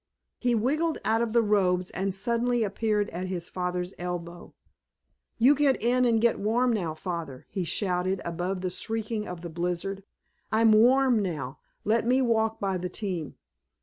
He wiggled out of the robes and suddenly appeared at his father's elbow. "You get in and get warm now, Father," he shouted above the shrieking of the blizzard. "I'm warm now; let me walk by the team."